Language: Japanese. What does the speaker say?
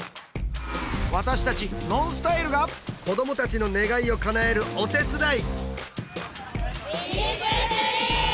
私たちＮＯＮＳＴＹＬＥが子どもたちの願いをかなえるお手伝い！